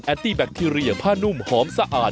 ตี้แบคทีเรียผ้านุ่มหอมสะอาด